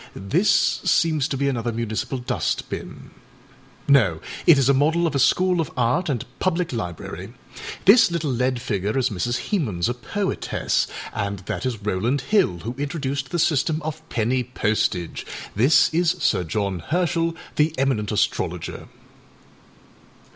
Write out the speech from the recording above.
This seems to be another municipal dust binâno, it is a model of a school of art and public library. This little lead figure is Mrs. Hemans, a poetess, and this is Rowland Hill, who introduced the system of penny postage. This is Sir John Herschel, the eminent astrologer.